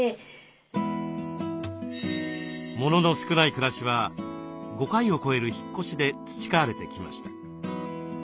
モノの少ない暮らしは５回を超える引っ越しで培われてきました。